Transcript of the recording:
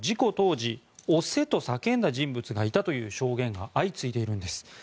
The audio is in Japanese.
というのも事故当時押せと叫んだ人物がいたという証言が相次いでいるんです。